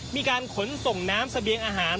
มีการขนส่งน้ำเสบียงอาหาร